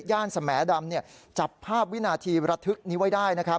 ย่านสมดำจับภาพวินาทีระทึกนี้ไว้ได้